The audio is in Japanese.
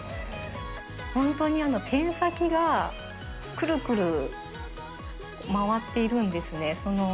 本当にけん先がくるくる回っているんですね。